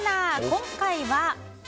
今回は。